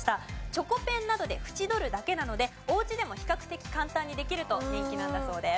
チョコペンなどで縁取るだけなのでお家でも比較的簡単にできると人気なんだそうです。